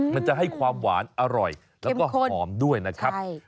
มันจะให้ความหวานอร่อยแล้วก็หอมด้วยนะครับ